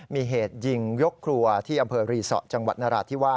มีเหตุยิงยกครัวที่อำเภอรีสอร์จังหวัดนราธิวาส